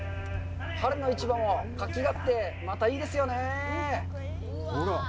春の市場も活気があってまたいいですよねぇ。